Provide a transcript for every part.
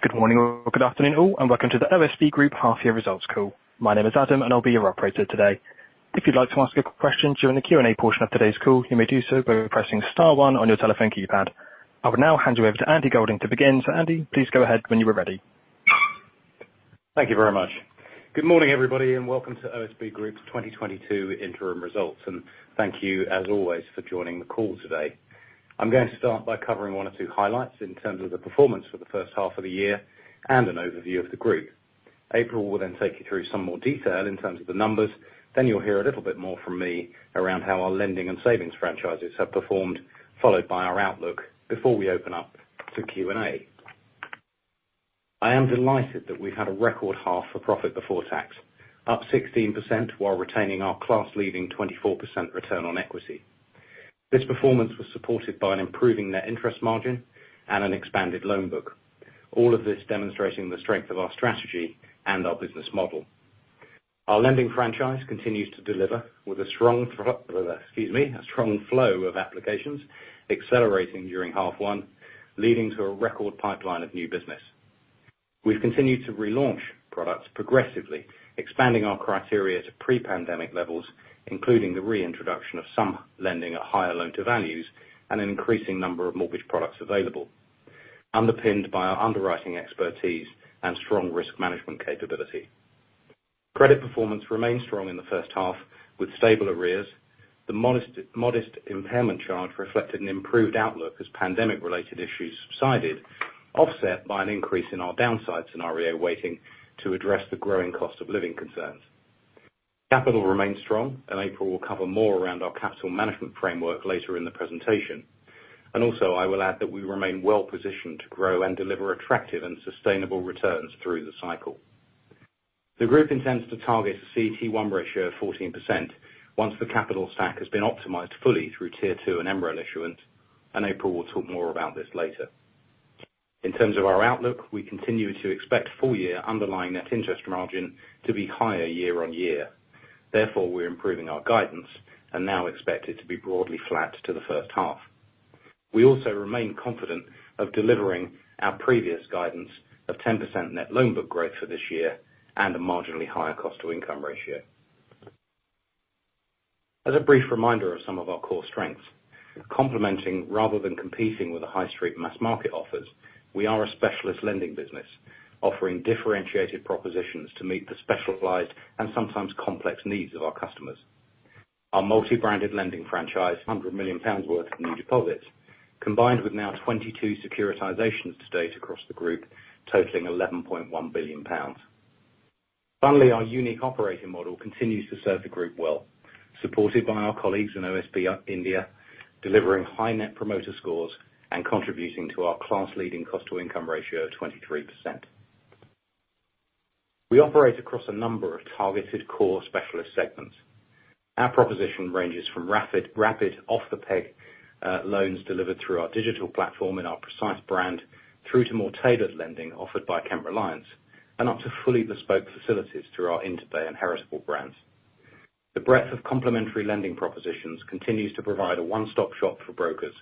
Good morning or good afternoon all, and welcome to the OSB Group half year results call. My name is Adam, and I'll be your operator today. If you'd like to ask a question during the Q&A portion of today's call, you may do so by pressing star one on your telephone keypad. I will now hand you over to Andy Golding to begin. Andy, please go ahead when you are ready. Thank you very much. Good morning, everybody, and welcome to OSB Group's 2022 interim results. Thank you, as always, for joining the call today. I'm going to start by covering one or two highlights in terms of the performance for the first half of the year and an overview of the group. April will then take you through some more detail in terms of the numbers, then you'll hear a little bit more from me around how our lending and savings franchises have performed, followed by our outlook before we open up to Q&A. I am delighted that we've had a record half for profit before tax, up 16% while retaining our class-leading 24% return on equity. This performance was supported by an improving net interest margin and an expanded loan book. All of this demonstrating the strength of our strategy and our business model. Our lending franchise continues to deliver with a strong flow of applications accelerating during half one, leading to a record pipeline of new business. We've continued to relaunch products progressively, expanding our criteria to pre-pandemic levels, including the reintroduction of some lending at higher loan to values and an increasing number of mortgage products available, underpinned by our underwriting expertise and strong risk management capability. Credit performance remained strong in the first half, with stable arrears. The modest impairment charge reflected an improved outlook as pandemic-related issues subsided, offset by an increase in our downside scenario weighting to address the growing cost of living concerns. Capital remains strong, and April will cover more around our capital management framework later in the presentation. Also I will add that we remain well-positioned to grow and deliver attractive and sustainable returns through the cycle. The group intends to target a CET1 ratio of 14% once the capital stack has been optimized fully through Tier 2 and MREL issuance, and April will talk more about this later. In terms of our outlook, we continue to expect full year underlying net interest margin to be higher year-over-year. Therefore, we're improving our guidance and now expect it to be broadly flat to the first half. We also remain confident of delivering our previous guidance of 10% net loan book growth for this year and a marginally higher cost to income ratio. As a brief reminder of some of our core strengths, complementing rather than competing with the high street mass market offers, we are a specialist lending business, offering differentiated propositions to meet the specialized and sometimes complex needs of our customers. Our multi-branded lending franchise, 100 million pounds worth of new deposits, combined with now 22 securitizations to date across the group, totaling 11.1 billion pounds. Our unique operating model continues to serve the group well, supported by our colleagues in OSB India, delivering high Net Promoter Scores and contributing to our class-leading cost to income ratio of 23%. We operate across a number of targeted core specialist segments. Our proposition ranges from rapid off the peg loans delivered through our digital platform in our Precise brand, through to more tailored lending offered by Kent Reliance, and up to fully bespoke facilities through our InterBay and Heritable brands. The breadth of complementary lending propositions continues to provide a one-stop shop for brokers,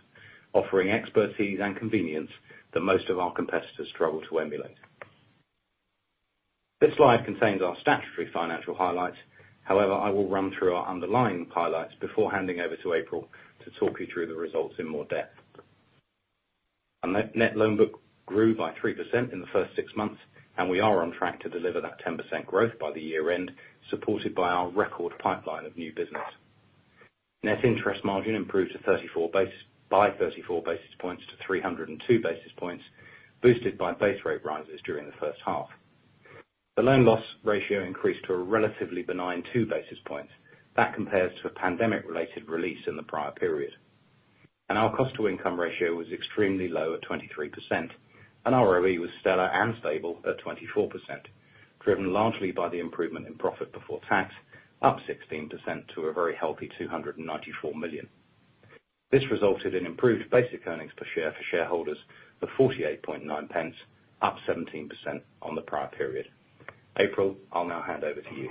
offering expertise and convenience that most of our competitors struggle to emulate. This slide contains our statutory financial highlights. However, I will run through our underlying highlights before handing over to April to talk you through the results in more depth. Our net-net loan book grew by 3% in the first six months, and we are on track to deliver that 10% growth by the year end, supported by our record pipeline of new business. Net interest margin improved by 34 basis points to 302 basis points, boosted by base rate rises during the first half. The loan loss ratio increased to a relatively benign 2 basis points. That compares to a pandemic-related release in the prior period. Our cost to income ratio was extremely low at 23%, and ROE was stellar and stable at 24%, driven largely by the improvement in profit before tax, up 16% to a very healthy 294 million. This resulted in improved basic earnings per share for shareholders of 48.9 pence, up 17% on the prior period. April, I'll now hand over to you.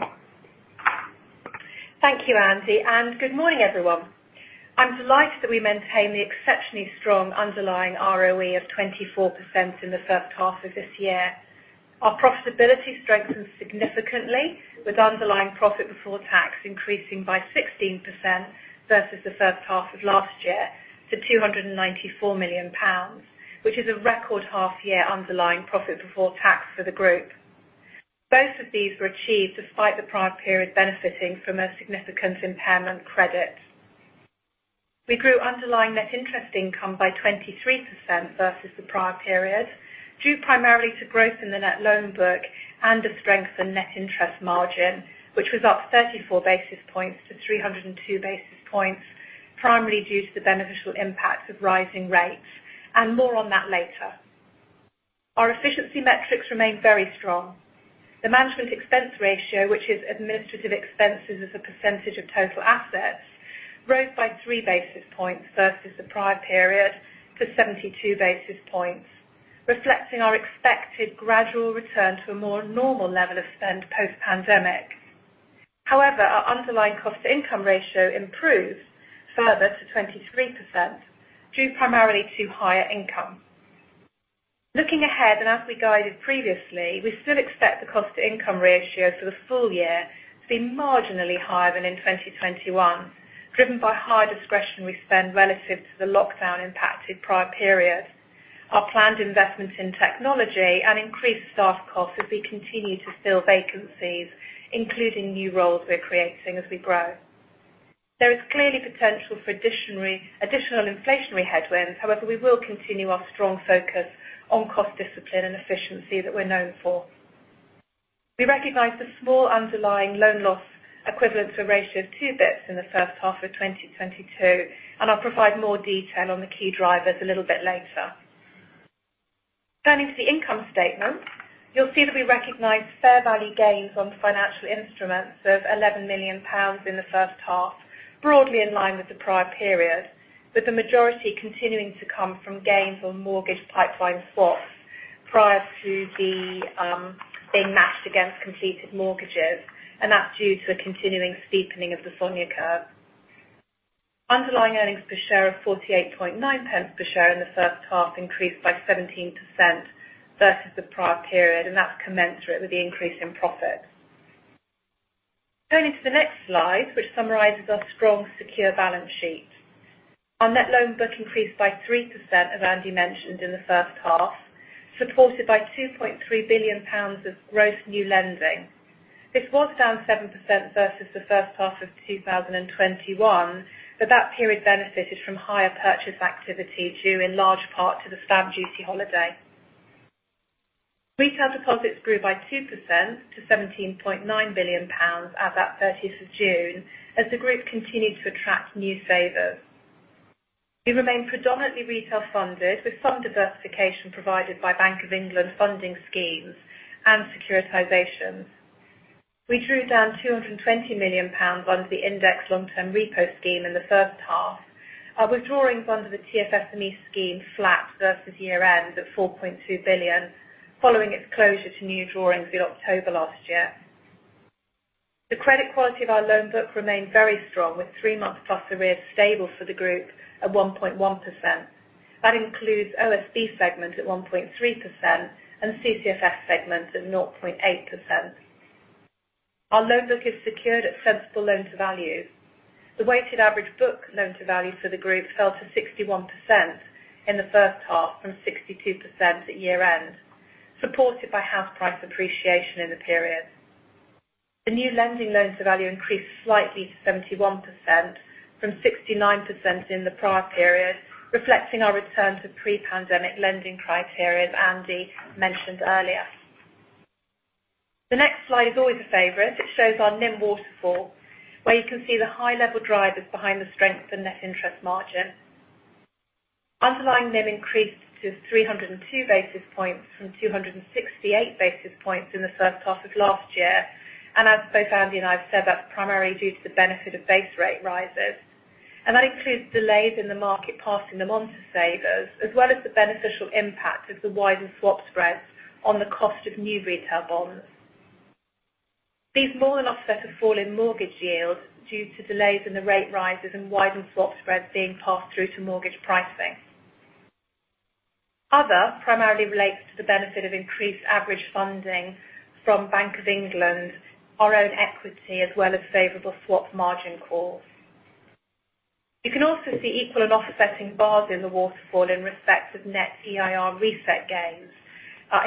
Thank you, Andy, and good morning, everyone. I'm delighted that we maintain the exceptionally strong underlying ROE of 24% in the first half of this year. Our profitability strengthened significantly with underlying profit before tax increasing by 16% versus the first half of last year to 294 million pounds, which is a record half-year underlying profit before tax for the group. Both of these were achieved despite the prior period benefiting from a significant impairment credit. We grew underlying net interest income by 23% versus the prior period, due primarily to growth in the net loan book and a strengthened net interest margin, which was up 34 basis points to 302 basis points, primarily due to the beneficial impact of rising rates, and more on that later. Our efficiency metrics remain very strong. The management expense ratio, which is administrative expenses as a percentage of total assets, rose by 3 basis points versus the prior period to 72 basis points, reflecting our expected gradual return to a more normal level of spend post-pandemic. However, our underlying cost income ratio improved further to 23% due primarily to higher income. Looking ahead, and as we guided previously, we still expect the cost to income ratio for the full year to be marginally higher than in 2021, driven by higher discretionary spend relative to the lockdown impacted prior period. Our planned investment in technology and increased staff costs as we continue to fill vacancies, including new roles we're creating as we grow. There is clearly potential for additional inflationary headwinds. However, we will continue our strong focus on cost discipline and efficiency that we're known for. We recognize the small underlying loan loss equivalent to a ratio of 2 basis points in the first half of 2022, and I'll provide more detail on the key drivers a little bit later. Turning to the income statement, you'll see that we recognize fair value gains on financial instruments of 11 million pounds in the first half, broadly in line with the prior period, with the majority continuing to come from gains on mortgage pipeline swaps prior to the being matched against completed mortgages. That's due to a continuing steepening of the SONIA curve. Underlying earnings per share of 48.9 pence per share in the first half increased by 17% versus the prior period. That's commensurate with the increase in profit. Turning to the next slide, which summarizes our strong, secure balance sheet. Our net loan book increased by 3%, as Andy mentioned, in the first half, supported by 2.3 billion pounds of gross new lending. This was down 7% versus the first half of 2021, but that period benefited from higher purchase activity due in large part to the stamp duty holiday. Retail deposits grew by 2% to 17.9 billion pounds at 30th of June as the group continued to attract new savers. We remain predominantly retail funded, with some diversification provided by Bank of England funding schemes and securitizations. We drew down 220 million pounds under the Indexed Long-Term Repo scheme in the first half. Our outstanding funds of the TFSME scheme were flat versus year end at 4.2 billion, following its closure to new drawings in October last year. The credit quality of our loan book remained very strong, with three months plus arrears stable for the group at 1.1%. That includes OSB segment at 1.3% and the CCFS segment at 0.8%. Our loan book is secured at sensible loan to value. The weighted average book loan to value for the group fell to 61% in the first half from 62% at year end, supported by house price appreciation in the period. The new lending loans to value increased slightly to 71% from 69% in the prior period, reflecting our return to pre-pandemic lending criteria that Andy mentioned earlier. The next slide is always a favorite. It shows our NIM waterfall, where you can see the high level drivers behind the strength and net interest margin. Underlying NIM increased to 302 basis points from 268 basis points in the first half of last year. As both Andy and I have said, that's primarily due to the benefit of base rate rises. That includes delays in the market passing them on to savers, as well as the beneficial impact of the widened swap spreads on the cost of new retail bonds. These more than offset a fall in mortgage yields due to delays in the rate rises and widened swap spreads being passed through to mortgage pricing. Other primarily relates to the benefit of increased average funding from Bank of England, our own equity, as well as favorable swap margin calls. You can also see equal and offsetting bars in the waterfall in respect of net EIR reset gains,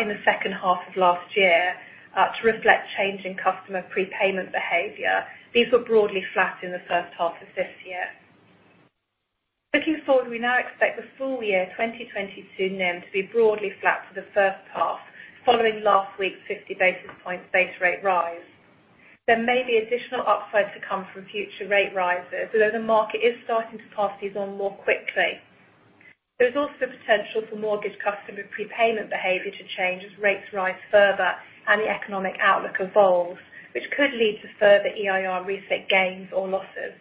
in the second half of last year, to reflect changing customer prepayment behavior. These were broadly flat in the first half of this year. Looking forward, we now expect the full year 2022 NIM to be broadly flat for the first half, following last week's 50 basis point base rate rise. There may be additional upside to come from future rate rises, although the market is starting to pass these on more quickly. There is also the potential for mortgage customer prepayment behavior to change as rates rise further and the economic outlook evolves, which could lead to further EIR reset gains or losses.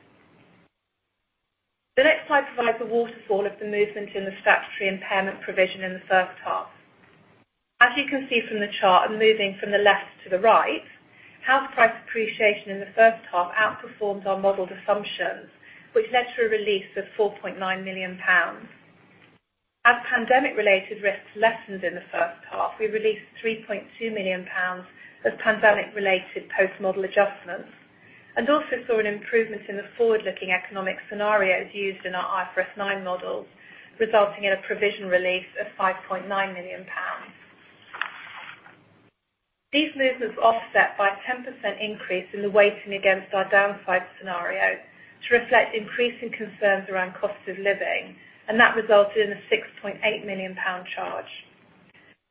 The next slide provides a waterfall of the movement in the statutory impairment provision in the first half. As you can see from the chart, and moving from the left to the right, house price appreciation in the first half outperformed our modeled assumptions, which led to a release of 4.9 million pounds. As pandemic related risks lessened in the first half, we released 3.2 million pounds of pandemic related post-model adjustments and also saw an improvement in the forward-looking economic scenarios used in our IFRS 9 models, resulting in a provision release of 5.9 million pounds. These movements offset by a 10% increase in the weighting against our downside scenario to reflect increasing concerns around cost of living, and that resulted in a 6.8 million pound charge.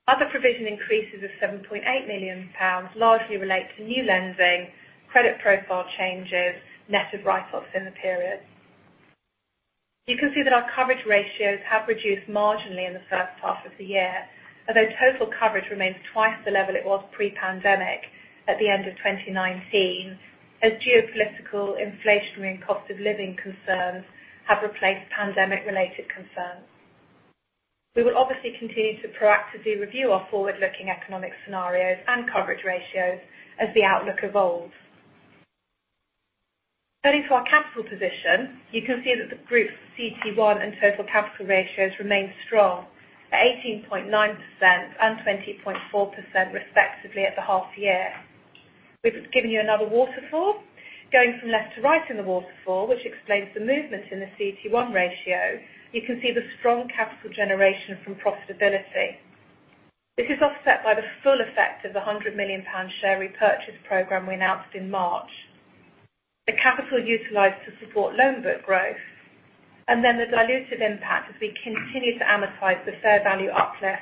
Other provision increases of 7.8 million pounds largely relate to new lending, credit profile changes, netted write-offs in the period. You can see that our coverage ratios have reduced marginally in the first half of the year. Although total coverage remains twice the level it was pre-pandemic at the end of 2019, as geopolitical inflationary and cost of living concerns have replaced pandemic-related concerns. We will obviously continue to proactively review our forward-looking economic scenarios and coverage ratios as the outlook evolves. Turning to our capital position, you can see that the group CET1 and total capital ratios remain strong at 18.9% and 20.4% respectively at the half year. We've given you another waterfall. Going from left to right in the waterfall, which explains the movement in the CET1 ratio, you can see the strong capital generation from profitability. This is offset by the full effect of the 100 million pound share repurchase program we announced in March. The capital utilized to support loan book growth, and then the dilutive impact as we continue to amortize the fair value uplift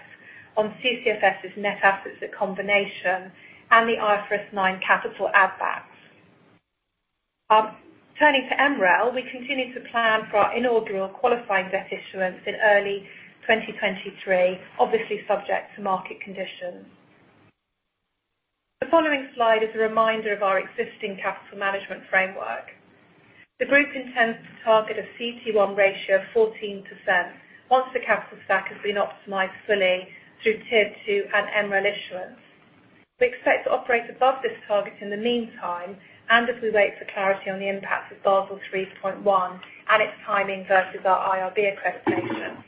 on CCFS's net assets at combination and the IFRS 9 capital add backs. Turning to MREL, we continue to plan for our inaugural qualifying debt issuance in early 2023, obviously subject to market conditions. The following slide is a reminder of our existing capital management framework. The group intends to target a CET1 ratio of 14% once the capital stack has been optimized fully through Tier 2 and MREL issuance. We expect to operate above this target in the meantime, and as we wait for clarity on the impact of Basel 3.1 and its timing versus our IRB accreditation.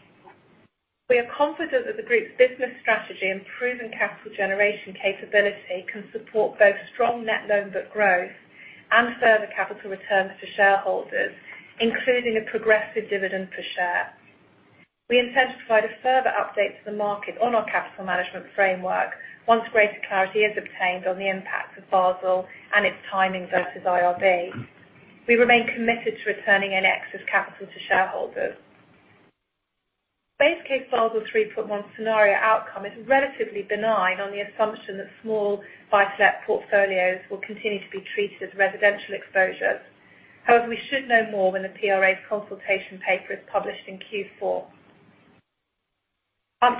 We are confident that the group's business strategy and proven capital generation capability can support both strong net loan book growth and further capital returns to shareholders, including a progressive dividend per share. We intend to provide a further update to the market on our capital management framework once greater clarity is obtained on the impact of Basel and its timing versus IRB. We remain committed to returning any excess capital to shareholders. Base case Basel 3.1 scenario outcome is relatively benign on the assumption that small buy-to-let portfolios will continue to be treated as residential exposures. However, we should know more when the PRA's consultation paper is published in Q4.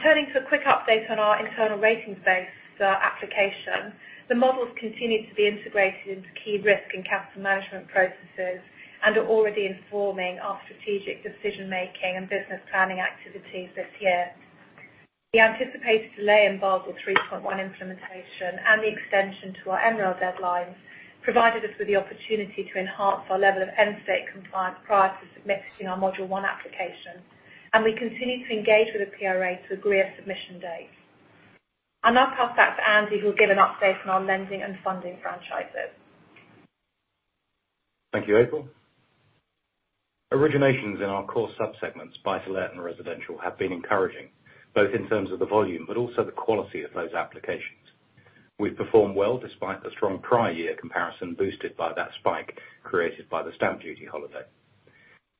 Turning to a quick update on our internal ratings-based application. The models continue to be integrated into key risk and capital management processes and are already informing our strategic decision making and business planning activities this year. The anticipated delay in Basel 3.1 implementation and the extension to our MREL deadlines provided us with the opportunity to enhance our level of end state compliance prior to submitting our module one application, and we continue to engage with the PRA to agree a submission date. I'll pass back to Andy, who'll give an update on our lending and funding franchises. Thank you, April. Originations in our core subsegments, buy-to-let and residential, have been encouraging both in terms of the volume but also the quality of those applications. We've performed well despite the strong prior year comparison boosted by that spike created by the stamp duty holiday.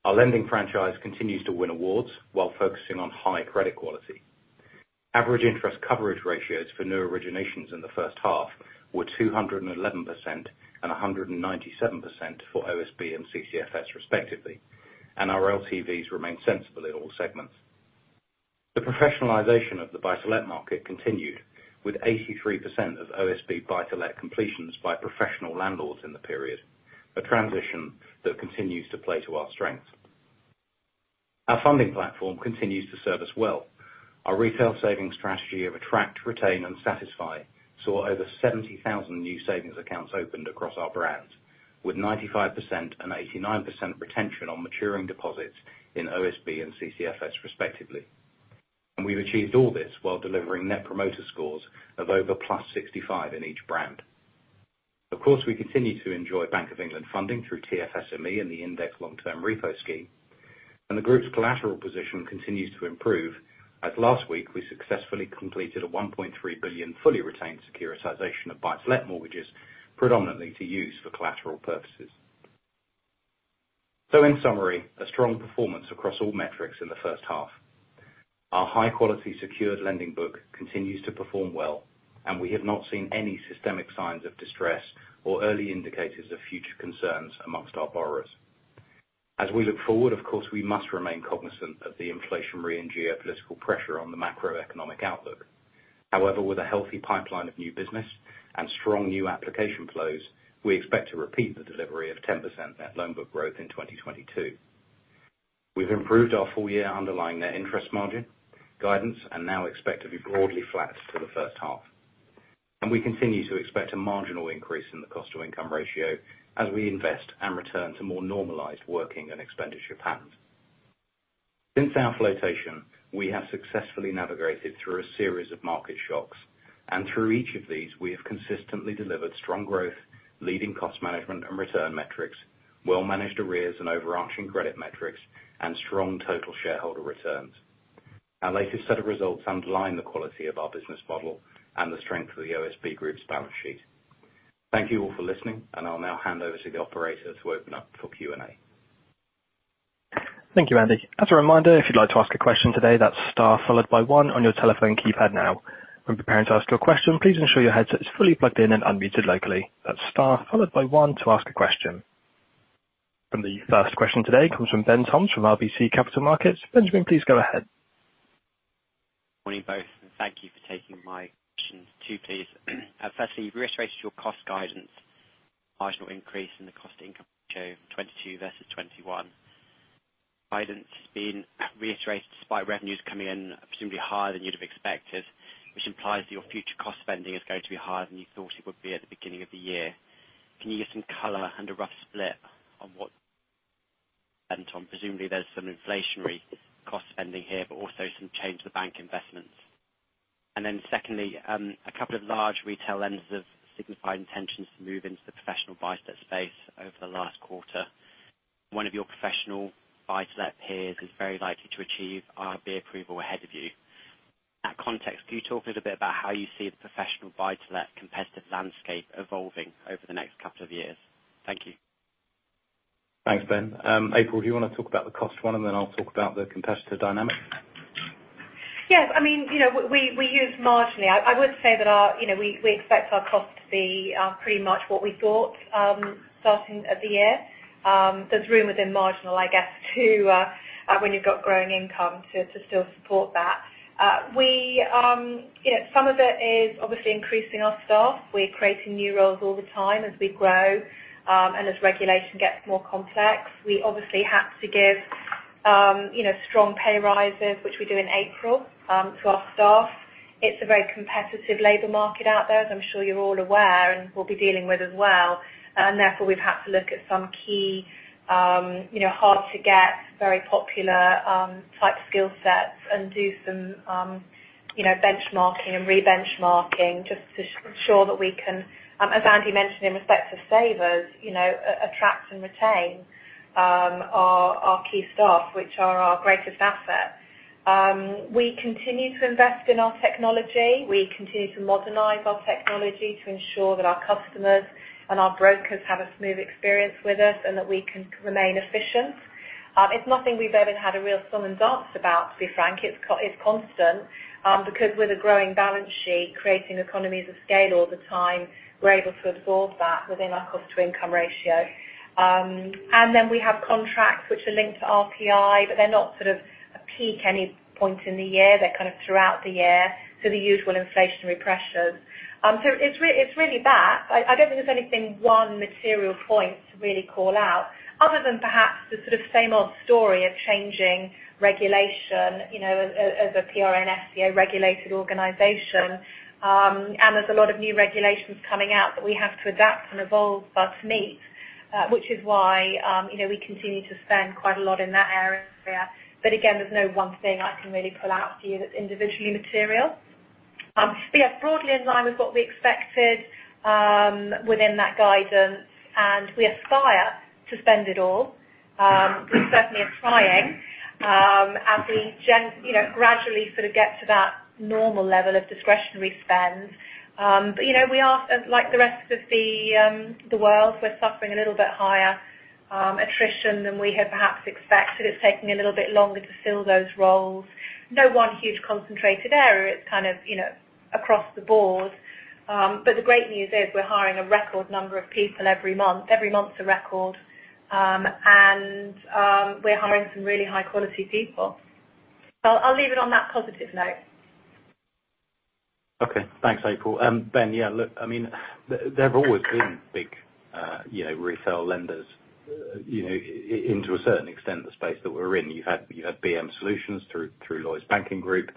Our lending franchise continues to win awards while focusing on high credit quality. Average interest coverage ratios for new originations in the first half were 211% and 197% for OSB and CCFS respectively, and our LTVs remain sensible in all segments. The professionalization of the buy-to-let market continued with 83% of OSB buy-to-let completions by professional landlords in the period, a transition that continues to play to our strength. Our funding platform continues to serve us well. Our retail savings strategy of attract, retain, and satisfy saw over 70,000 new savings accounts opened across our brands, with 95% and 89% retention on maturing deposits in OSB and CCFS respectively. We've achieved all this while delivering Net Promoter Scores of over +65 in each brand. Of course, we continue to enjoy Bank of England funding through TFSME and the Indexed Long-Term Repo Scheme, and the group's collateral position continues to improve, as last week we successfully completed a 1.3 billion fully retained securitization of buy-to-let mortgages, predominantly to use for collateral purposes. In summary, a strong performance across all metrics in the first half. Our high-quality secured lending book continues to perform well, and we have not seen any systemic signs of distress or early indicators of future concerns among our borrowers. As we look forward, of course, we must remain cognizant of the inflationary and geopolitical pressure on the macroeconomic outlook. However, with a healthy pipeline of new business and strong new application flows, we expect to repeat the delivery of 10% net loan book growth in 2022. We've improved our full year underlying net interest margin guidance and now expect to be broadly flat for the first half. We continue to expect a marginal increase in the cost to income ratio as we invest and return to more normalized working and expenditure patterns. Since our flotation, we have successfully navigated through a series of market shocks, and through each of these, we have consistently delivered strong growth, leading cost management and return metrics, well-managed arrears and overarching credit metrics, and strong total shareholder returns. Our latest set of results underline the quality of our business model and the strength of the OSB Group's balance sheet. Thank you all for listening, and I'll now hand over to the operator to open up for Q&A. Thank you, Andy. As a reminder, if you'd like to ask a question today, that's star followed by one on your telephone keypad now. When preparing to ask your question, please ensure your headset is fully plugged in and unmuted locally. That's star followed by one to ask a question. The first question today comes from Ben Toms from RBC Capital Markets. Benjamin, please go ahead. Morning, both, and thank you for taking my questions. Two, please. Firstly, you reiterated your cost guidance. Marginal increase in the cost-income ratio 2022 versus 2021. Guidance has been reiterated despite revenues coming in presumably higher than you'd have expected, which implies that your future cost spending is going to be higher than you thought it would be at the beginning of the year. Can you give some color and a rough split on what presumably there's some inflationary cost spending here, but also some change to bank investments? Then secondly, a couple of large retail lenders have signified intentions to move into the professional buy-to-let space over the last quarter. One of your professional buy-to-let peers is very likely to achieve IRB approval ahead of you. In that context, can you talk a little bit about how you see the professional buy-to-let competitive landscape evolving over the next couple of years? Thank you. Thanks, Ben. April, do you wanna talk about the cost one, and then I'll talk about the competitive dynamics? Yes. I mean, you know, we use marginally. I would say that our, you know, we expect our costs to be pretty much what we thought starting at the year. There's room within marginal, I guess, to when you've got growing income to still support that. We, you know, some of it is obviously increasing our staff. We're creating new roles all the time as we grow and as regulation gets more complex. We obviously have to give, you know, strong pay rises, which we do in April, to our staff. It's a very competitive labor market out there, as I'm sure you're all aware, and will be dealing with as well. Therefore, we've had to look at some key, you know, hard to get, very popular, type skill sets and do some, you know, benchmarking and re-benchmarking just to ensure that we can, as Andy mentioned in respect to savers, you know, attract and retain, our key staff, which are our greatest asset. We continue to invest in our technology. We continue to modernize our technology to ensure that our customers and our brokers have a smooth experience with us, and that we can remain efficient. It's nothing we've ever had a real song and dance about, to be frank. It's constant, because with a growing balance sheet, creating economies of scale all the time, we're able to absorb that within our cost to income ratio. We have contracts which are linked to RPI, but they're not sort of peak at any point in the year. They're kind of throughout the year, the usual inflationary pressures. It's really that. I don't think there's anything one material point to really call out other than perhaps the sort of same old story of changing regulation, you know, as a PRA and FCA regulated organization. There's a lot of new regulations coming out that we have to adapt and evolve to meet, which is why, you know, we continue to spend quite a lot in that area. Again, there's no one thing I can really pull out for you that's individually material. Yeah, broadly in line with what we expected, within that guidance, and we aspire to spend it all. We're certainly aspiring, as we, you know, gradually sort of get to that normal level of discretionary spend. You know, we are, like the rest of the world, we're suffering a little bit higher attrition than we had perhaps expected. It's taking a little bit longer to fill those roles. No one huge concentrated area. It's kind of, you know, across the board. The great news is we're hiring a record number of people every month. Every month's a record. We're hiring some really high quality people. I'll leave it on that positive note. Okay. Thanks, April. Ben, yeah, look, I mean, there have always been big, you know, retail lenders, you know, into a certain extent, the space that we're in. You have BM Solutions through Lloyds Banking Group,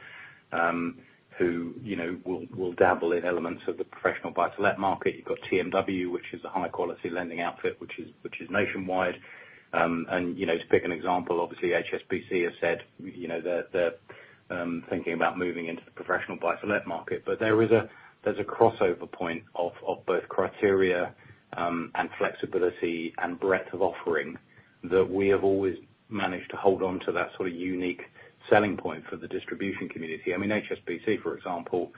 who, you know, will dabble in elements of the professional buy-to-let market. You've got TMW, which is a high-quality lending outfit, which is Nationwide. You know, to pick an example, obviously HSBC has said, you know, they're thinking about moving into the professional buy-to-let market. There is a crossover point of both criteria and flexibility and breadth of offering that we have always managed to hold onto that sort of unique selling point for the distribution community. I mean, HSBC, for example,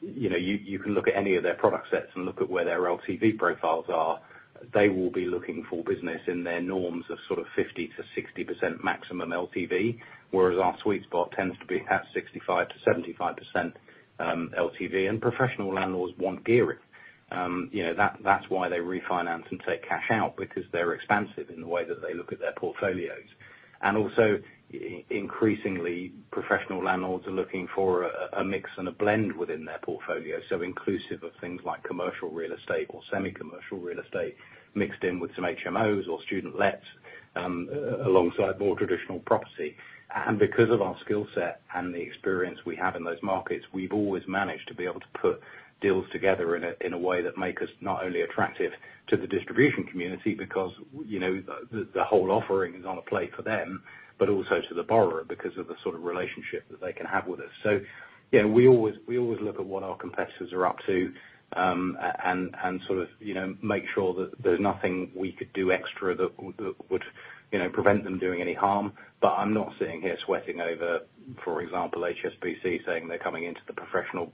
you can look at any of their product sets and look at where their LTV profiles are. They will be looking for business in their norms of sort of 50%-60% maximum LTV, whereas our sweet spot tends to be at 65%-75%, LTV. Professional landlords want gearing. That's why they refinance and take cash out because they're expansive in the way that they look at their portfolios. Increasingly professional landlords are looking for a mix and a blend within their portfolio, so inclusive of things like commercial real estate or semi-commercial real estate mixed in with some HMOs or student lets, alongside more traditional property. Because of our skill set and the experience we have in those markets, we've always managed to be able to put deals together in a way that make us not only attractive to the distribution community because, you know, the whole offering is on a plate for them, but also to the borrower because of the sort of relationship that they can have with us. You know, we always look at what our competitors are up to, and sort of, you know, make sure that there's nothing we could do extra that would, you know, prevent them doing any harm. I'm not sitting here sweating over, for example, HSBC saying they're coming into the professional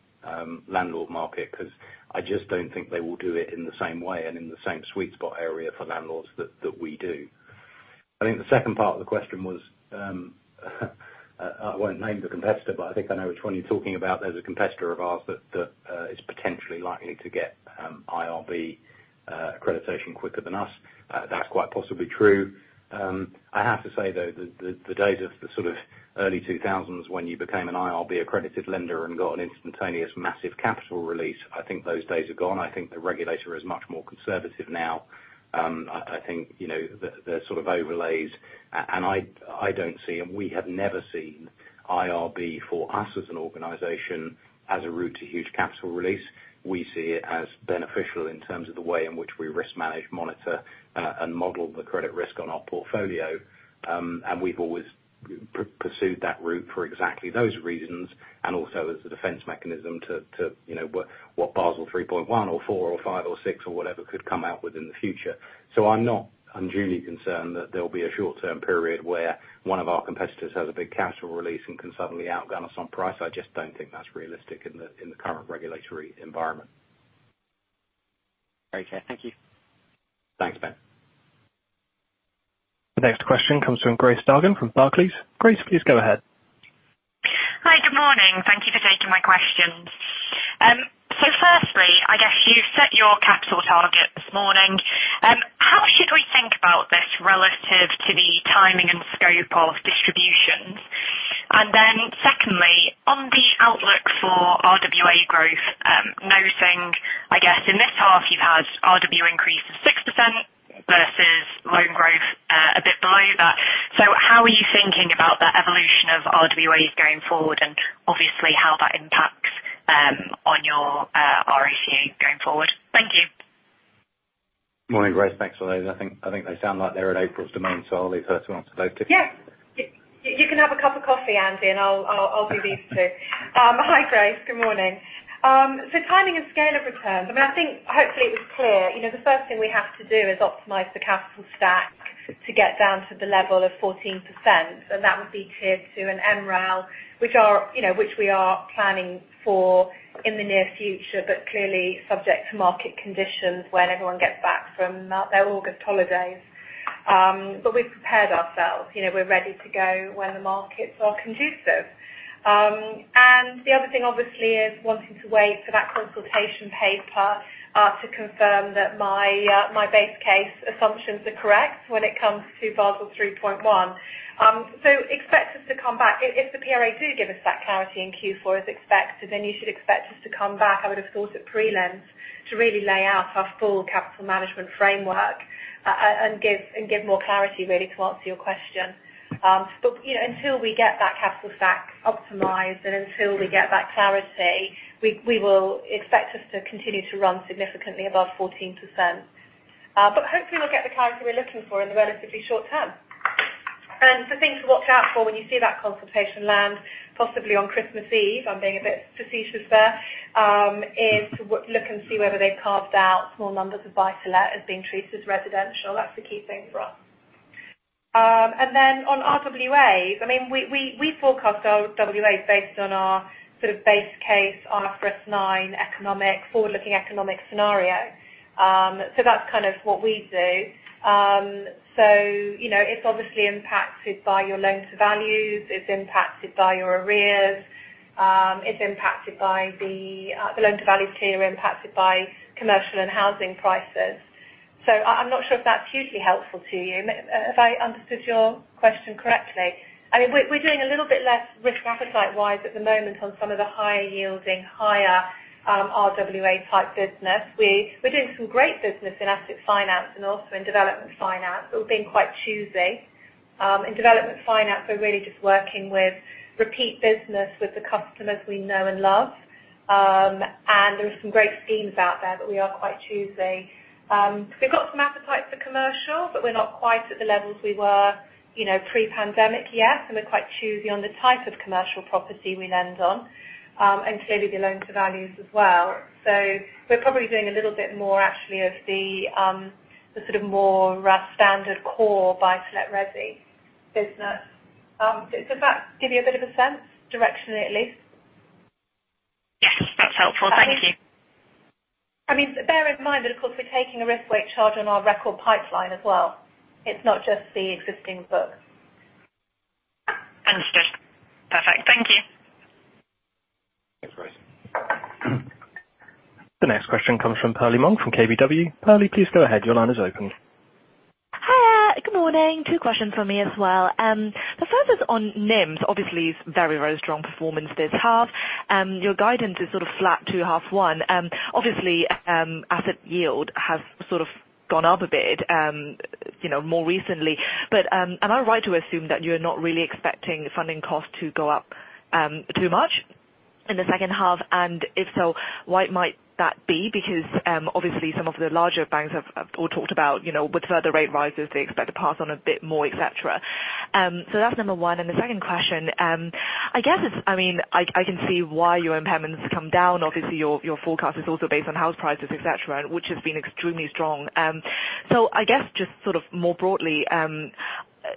landlord market because I just don't think they will do it in the same way and in the same sweet spot area for landlords that we do. I think the second part of the question was I won't name the competitor, but I think I know which one you're talking about. There's a competitor of ours that is potentially likely to get IRB accreditation quicker than us. That's quite possibly true. I have to say though, the days of the sort of early 2000s when you became an IRB accredited lender and got an instantaneous massive capital release. I think those days are gone. I think the regulator is much more conservative now. I think, you know, the sort of overlays. I don't see, and we have never seen IRB for us as an organization, as a route to huge capital release. We see it as beneficial in terms of the way in which we risk manage, monitor, and model the credit risk on our portfolio. We've always pursued that route for exactly those reasons, and also as a defense mechanism to, you know, what Basel 3.1 or 4 or 5 or 6 or whatever could come out with in the future. I'm not unduly concerned that there'll be a short-term period where one of our competitors has a big capital release and can suddenly outgun us on price. I just don't think that's realistic in the current regulatory environment. Okay. Thank you. Thanks, Ben. The next question comes from Grace Dargan from Barclays. Grace, please go ahead. Hi. Good morning. Thank you for taking my questions. Firstly, I guess you've set your capital target this morning. How should we think about this relative to the timing and scope of distributions? Secondly, on the outlook for RWA growth, noting I guess in this half you've had RWA increase of 6% versus loan growth, a bit below that. How are you thinking about the evolution of RWAs going forward and obviously how that impacts on your RoTE going forward? Thank you. Morning, Grace. Thanks for those. I think they sound like they're in April's domain, so I'll leave her to answer those two. Yeah. You can have a cup of coffee, Andy, and I'll do these two. Hi, Grace. Good morning. So timing and scale of returns. I mean, I think hopefully it was clear. You know, the first thing we have to do is optimize the capital stack to get down to the level of 14%, and that would be Tier 2 and MREL, which, you know, we are planning for in the near future, but clearly subject to market conditions when everyone gets back from their August holidays. We've prepared ourselves. You know, we're ready to go when the markets are conducive. The other thing obviously is wanting to wait for that consultation paper to confirm that my base case assumptions are correct when it comes to Basel 3.1. Expect us to come back. If the PRA do give us that clarity in Q4 as expected, then you should expect us to come back, I would have thought at prelims, to really lay out our full capital management framework and give more clarity, really to answer your question. But, you know, until we get that capital stack optimized and until we get that clarity, we will expect us to continue to run significantly above 14%. But hopefully we'll get the clarity we're looking for in the relatively short term. The thing to watch out for when you see that consultation land, possibly on Christmas Eve, I'm being a bit facetious there, is to look and see whether they've carved out small numbers of buy-to-let as being treated as residential. That's the key thing for us. On RWAs, I mean, we forecast our RWAs based on our sort of base case, IFRS 9 economic, forward-looking economic scenario. That's kind of what we do. You know, it's obviously impacted by your loan to values. It's impacted by your arrears. It's impacted by the loan to values tier impacted by commercial and house prices. I'm not sure if that's hugely helpful to you. Have I understood your question correctly? I mean, we're doing a little bit less risk appetite-wise at the moment on some of the higher yielding, higher RWA type business. We're doing some great business in asset finance and also in development finance. We're being quite choosy. In development finance, we're really just working with repeat business with the customers we know and love. There are some great schemes out there, but we are quite choosy. We've got some appetite for commercial, but we're not quite at the levels we were, you know, pre-pandemic yet, and we're quite choosy on the type of commercial property we lend on, and clearly the loan to values as well. We're probably doing a little bit more actually of the sort of more standard core buy-to-let resi business. Does that give you a bit of a sense directionally at least? Yes. That's helpful. Thank you. I mean, bear in mind that of course, we're taking a risk weight charge on our record pipeline as well. It's not just the existing books. Understood. Perfect. Thank you. Thanks, Grace. The next question comes from Perlie Mong from KBW. Pearly, please go ahead. Your line is open. Hi. Good morning. Two questions from me as well. The first is on NIMs. Obviously it's very, very strong performance this half. Your guidance is sort of flat to half one. Obviously, asset yield has sort of gone up a bit, you know, more recently. Am I right to assume that you're not really expecting funding costs to go up too much in the second half? If so, why might that be? Because obviously some of the larger banks have all talked about, you know, with further rate rises, they expect to pass on a bit more, et cetera. That's number one. The second question, I guess. I mean, I can see why your impairments come down. Obviously, your forecast is also based on house prices, et cetera, which has been extremely strong. I guess just sort of more broadly,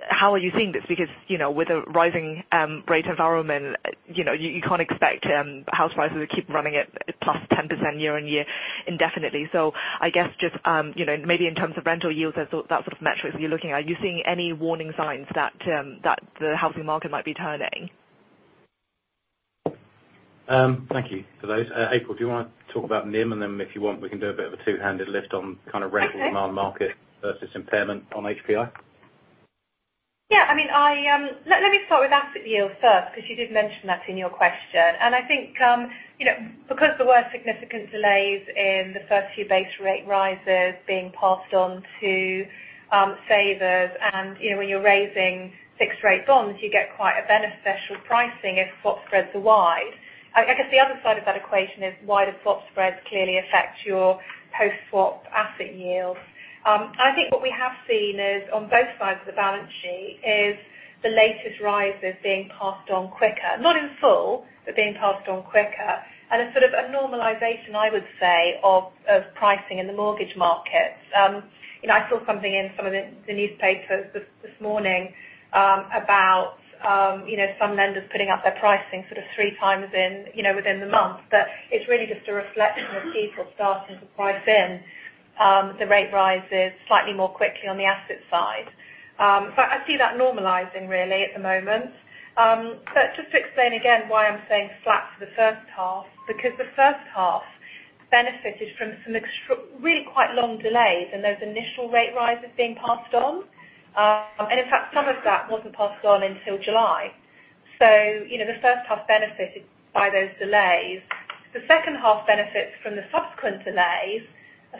how are you seeing this? Because, you know, with a rising rate environment, you know, you can't expect house prices to keep running at plus 10% year-on-year indefinitely. I guess just, you know, maybe in terms of rental yields, I thought that sort of metrics you're looking at. Are you seeing any warning signs that the housing market might be turning? Thank you for those. April, do you want to talk about NIM? If you want, we can do a bit of a two-handed lift on kind of rental- Okay. demand market versus impairment on HPI. Yeah. I mean, Let me start with asset yield first, because you did mention that in your question. I think, you know, because there were significant delays in the first few base rate rises being passed on to savers, and, you know, when you're raising fixed rate bonds, you get quite a beneficial pricing if swap spreads are wide. I guess the other side of that equation is wider swap spreads clearly affect your post-swap asset yields. I think what we have seen is, on both sides of the balance sheet, is the latest rises being passed on quicker. Not in full, but being passed on quicker. A sort of a normalization, I would say, of pricing in the mortgage markets. You know, I saw something in some of the newspapers this morning about you know some lenders putting up their pricing sort of three times in you know within the month. It's really just a reflection of people starting to price in the rate rises slightly more quickly on the asset side. I see that normalizing really at the moment. Just to explain again why I'm saying flat for the first half, because the first half benefited from some really quite long delays in those initial rate rises being passed on. In fact, some of that wasn't passed on until July. You know, the first half benefited by those delays. The second half benefits from the subsequent delays.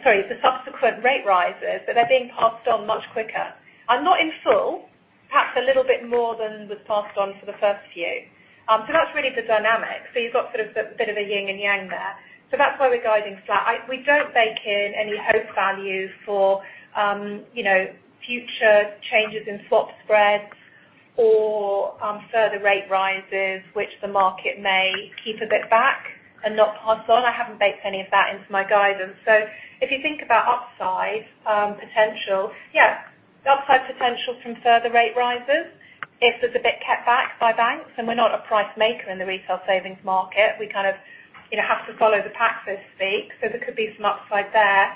Sorry, the subsequent rate rises, but they're being passed on much quicker. Not in full, perhaps a little bit more than was passed on for the first few. That's really the dynamic. You've got sort of a bit of a yin and yang there. That's why we're guiding flat. We don't bake in any hope value for, you know, future changes in swap spreads or, further rate rises, which the market may keep a bit back and not pass on. I haven't baked any of that into my guidance. If you think about upside potential, yeah. The upside potential from further rate rises, if there's a bit kept back by banks, and we're not a price maker in the retail savings market. We kind of, you know, have to follow the pack, so to speak. There could be some upside there.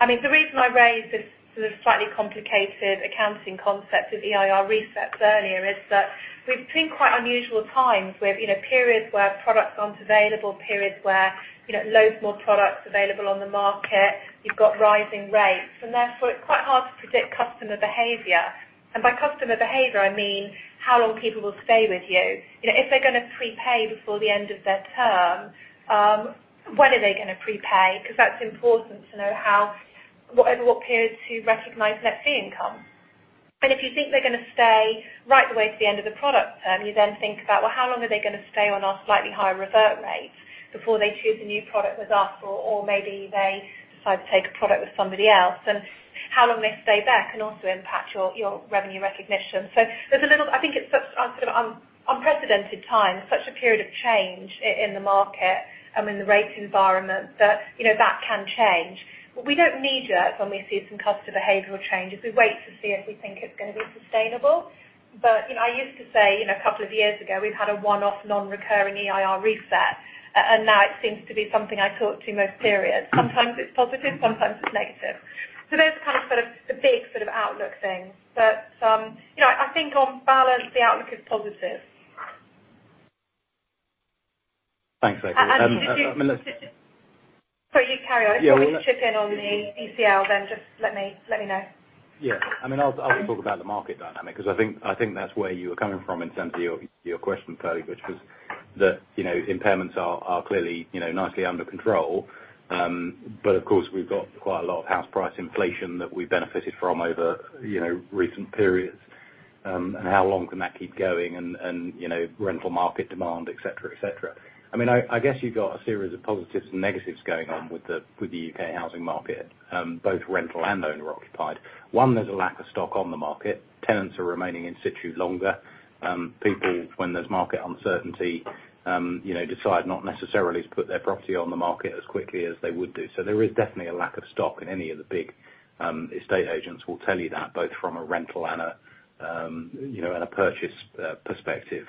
I mean, the reason I raised this sort of slightly complicated accounting concept of EIR resets earlier is that we've seen quite unusual times. We've, you know, periods where product aren't available, periods where, you know, loads more products available on the market. You've got rising rates, and therefore it's quite hard to predict customer behavior. By customer behavior, I mean how long people will stay with you. You know, if they're gonna prepay before the end of their term, when are they gonna prepay? 'Cause that's important to know over what period to recognize net fee income. If you think they're gonna stay right the way to the end of the product term, you then think about, well, how long are they gonna stay on our slightly higher revert rates before they choose a new product with us? Maybe they decide to take a product with somebody else. How long they stay there can also impact your revenue recognition. I think it's such a sort of unprecedented time. Such a period of change in the market, in the rate environment that, you know, that can change. We don't knee-jerk when we see some customer behavioral changes. We wait to see if we think it's gonna be sustainable. You know, I used to say, you know, a couple of years ago, we've had a one-off non-recurring EIR reset. Now it seems to be something I talk to most periods. Sometimes it's positive, sometimes it's negative. Those are kind of, sort of the big sort of outlook things. You know, I think on balance, the outlook is positive. Thanks, April. Uh, and if you- Sorry, you carry on. Yeah. If you want me to chip in on the ECL, then just let me know. Yeah. I mean, I'll, I can talk about the market dynamic, 'cause I think that's where you were coming from in terms of your question, Perlie. Was that, you know, impairments are clearly, you know, nicely under control. But of course, we've got quite a lot of house price inflation that we benefited from over, you know, recent periods. And how long can that keep going? And, you know, rental market demand, et cetera, et cetera. I mean, I guess you've got a series of positives and negatives going on with the U.K. housing market, both rental and owner occupied. One, there's a lack of stock on the market. Tenants are remaining in situ longer. People, when there's market uncertainty, you know, decide not necessarily to put their property on the market as quickly as they would do. There is definitely a lack of stock, and any of the big estate agents will tell you that, both from a rental and a, you know, and a purchase perspective.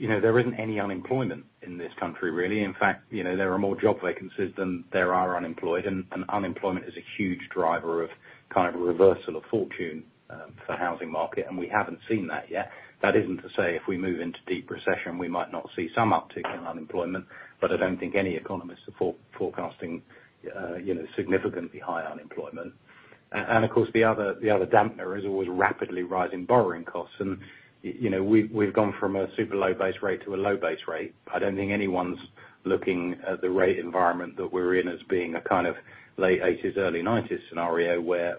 There isn't any unemployment in this country, really. In fact, you know, there are more job vacancies than there are unemployed. And unemployment is a huge driver of kind of a reversal of fortune for the housing market, and we haven't seen that yet. That isn't to say if we move into deep recession, we might not see some uptick in unemployment. But I don't think any economists are forecasting, you know, significantly high unemployment. Of course, the other dampener is always rapidly rising borrowing costs. You know, we've gone from a super low base rate to a low base rate. I don't think anyone's looking at the rate environment that we're in as being a kind of late eighties, early nineties scenario where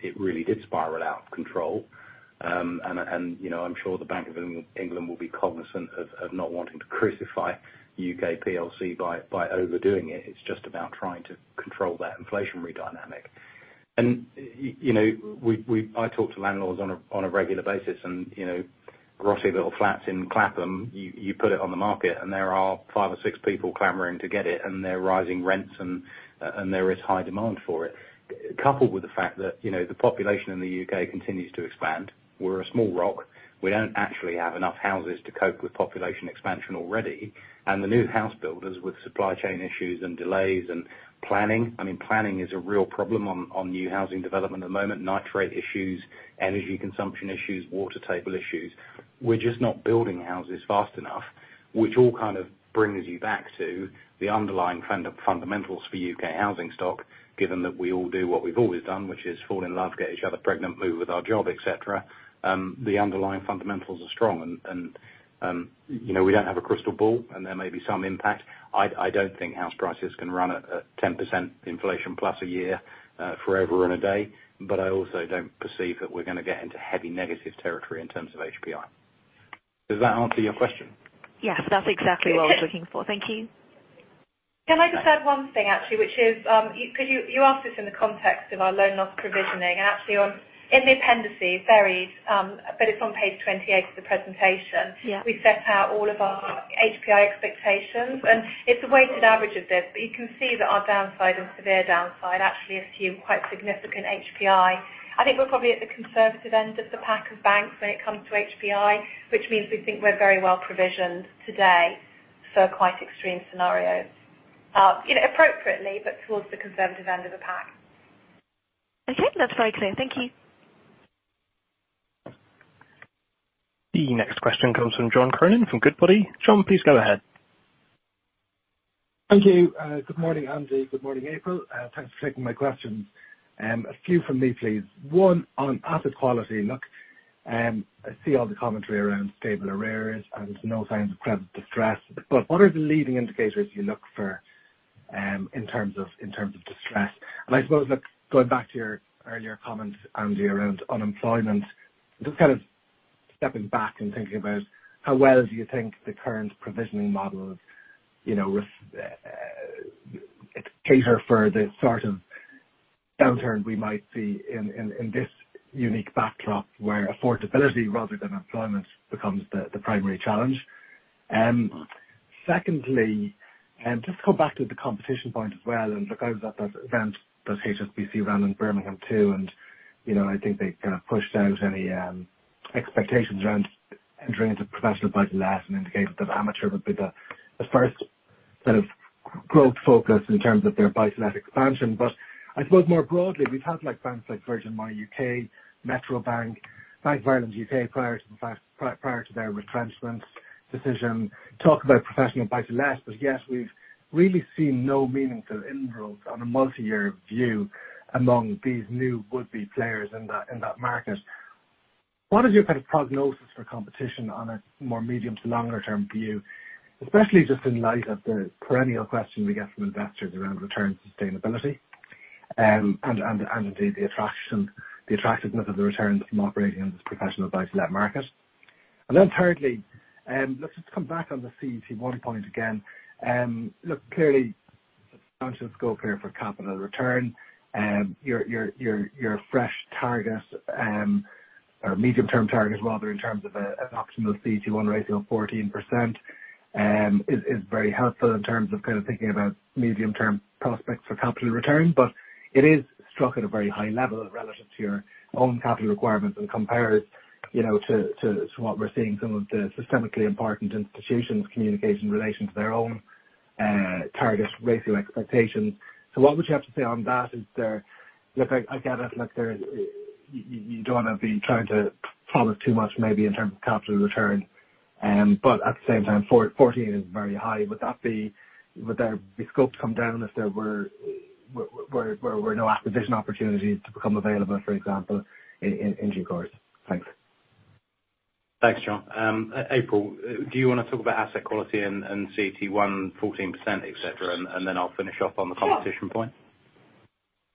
it really did spiral out of control. You know, I'm sure the Bank of England will be cognizant of not wanting to crucify U.K. PLC by overdoing it. It's just about trying to control that inflationary dynamic. You know, I talk to landlords on a regular basis and, you know, grotty little flats in Clapham, you put it on the market, and there are five or six people clamoring to get it. There are rising rents and there is high demand for it. Coupled with the fact that, you know, the population in the U.K. continues to expand. We're a small rock. We don't actually have enough houses to cope with population expansion already. The new house builders with supply chain issues and delays and planning. I mean, planning is a real problem on new housing development at the moment. Nitrate issues, energy consumption issues, water table issues. We're just not building houses fast enough, which all kind of brings you back to the underlying fundamentals for U.K. housing stock, given that we all do what we've always done, which is fall in love, get each other pregnant, move with our job, et cetera. The underlying fundamentals are strong and, you know, we don't have a crystal ball, and there may be some impact. I don't think house prices can run at 10% inflation plus a year, forever and a day. I also don't perceive that we're gonna get into heavy negative territory in terms of HPI. Does that answer your question? Yes. That's exactly what I was looking for. Thank you. Can I just add one thing, actually, which is, you asked this in the context of our loan loss provisioning. Actually, in the appendices, it varies, but it's on page 28 of the presentation. Yeah. We set out all of our HPI expectations, and it's a weighted average of this. You can see that our downside and severe downside actually assume quite significant HPI. I think we're probably at the conservative end of the pack of banks when it comes to HPI, which means we think we're very well provisioned today for quite extreme scenarios. You know, appropriately, but towards the conservative end of the pack. Okay. That's very clear. Thank you. The next question comes from John Cronin from Goodbody. John, please go ahead. Thank you. Good morning, Andy. Good morning, April. Thanks for taking my questions. A few from me, please. One, on asset quality look, I see all the commentary around stable arrears, and there's no signs of credit distress. What are the leading indicators you look for, in terms of distress? I suppose, look, going back to your earlier comments, Andy, around unemployment, just kind of stepping back and thinking about how well do you think the current provisioning models, you know, cater for the sort of downturn we might see in this unique backdrop where affordability rather than employment becomes the primary challenge. Secondly, just to come back to the competition point as well. Look, I was at that event that HSBC ran in Birmingham too, and, you know, I think they kind of pushed out any expectations around entering into professional buy-to-let and indicated that amateur would be the first sort of growth focus in terms of their buy-to-let expansion. I suppose more broadly, we've had like banks like Virgin Money UK, Metro Bank, prior to their retrenchment decision, talk about professional buy-to-let. Yet we've really seen no meaningful inroads on a multi-year view among these new would-be players in that market. What is your kind of prognosis for competition on a more medium to longer term view, especially just in light of the perennial question we get from investors around return sustainability, and the attraction, the attractiveness of the returns from operating in this professional buy-to-let market? Then thirdly, look, just to come back on the CET1 point again. Look, clearly there's ambitious scope here for capital return. Your fresh target, or medium-term target rather, in terms of an optimal CET1 ratio of 14%, is very helpful in terms of kind of thinking about medium-term prospects for capital return. It is struck at a very high level relative to your own capital requirements and compared to what we're seeing some of the systemically important institutions communicate in relation to their own target ratio expectations. What would you have to say on that? I get it. Like, you don't want to be trying to promise too much maybe in terms of capital return. At the same time, 14% is very high. Would there be scope to come down if there were no acquisition opportunities to become available, for example, in due course? Thanks. Thanks, John. April, do you wanna talk about asset quality and CET1 14% et cetera, and then I'll finish off on the competition point?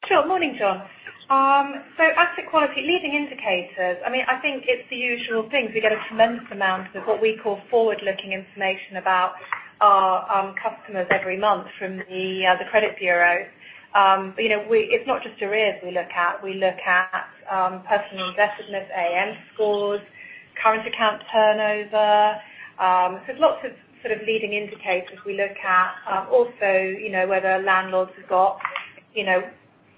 Sure. Morning, John. Asset quality leading indicators, I mean, I think it's the usual things. We get a tremendous amount of what we call forward-looking information about our customers every month from the credit bureau. You know, it's not just arrears we look at. We look at personal indebtedness, AM scores, current account turnover. There's lots of sort of leading indicators we look at. Also, you know, whether landlords have got, you know,